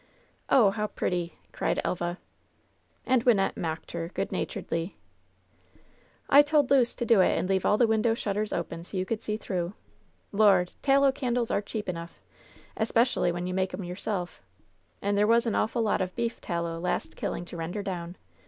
"Oh, how pretty!" cried Elva. And Wynnette mocked her good humoredly. "I told Luce to do it and leave all the window shutters open so you could see through. Lord ! tallow candles are cheap enough, 'specially when you make 'em yourself. And there was an awful lot of beef tallow last killing to render down.